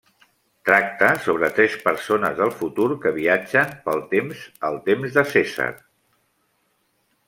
Tracta sobre tres persones del futur que viatgen pel temps al temps de Cèsar.